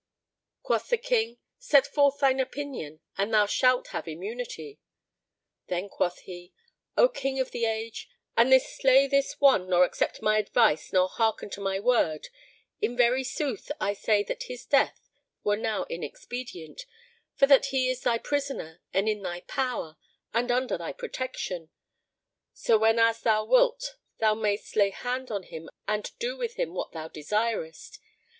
Quoth the King, "Set forth thine opinion, and thou shalt have immunity." Then quoth he, "O King of the Age, an thou slay this one nor accept my advice nor hearken to my word, in very sooth I say that his death were now inexpedient, for that he his thy prisoner and in thy power, and under thy protection; so whenas thou wilt, thou mayst lay hand on him and do with him what thou desirest.